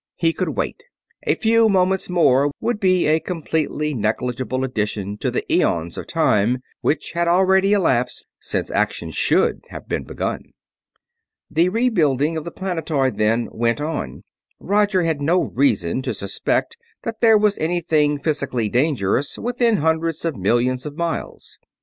He would wait; a few moments more would be a completely negligible addition to the eons of time which had already elapsed since action should have been begun. The rebuilding of the planetoid, then, went on. Roger had no reason to suspect that there was anything physically dangerous within hundreds of millions of miles.